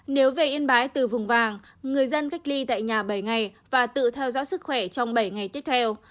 nếu về yên bái từ vùng vàng người dân cách ly tại nhà bảy ngày và tự theo dõi sức khỏe trong bảy ngày tiếp theo